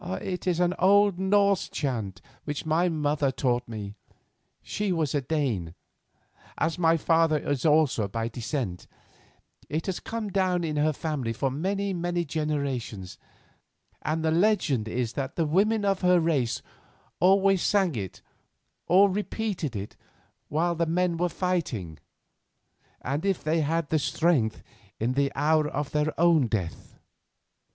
"It is an old Norse chant which my mother taught me; she was a Dane, as my father is also by descent. It has come down in her family for many, many generations, and the legend is that the women of her race always sang it or repeated it while the men were fighting, and, if they had the strength, in the hour of their own death.